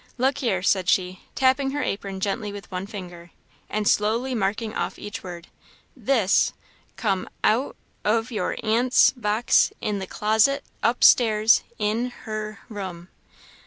Look here!" said she, tapping her apron gently with one finger, and slowly marking off each word "this come out of your aunt's box in the closet upstairs in her room."